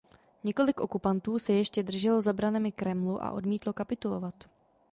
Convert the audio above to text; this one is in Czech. Několik okupantů se ještě drželo za branami Kremlu a odmítlo kapitulovat.